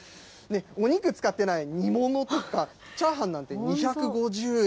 お肉使ってない煮物とか、チャーハンなんて２５０円。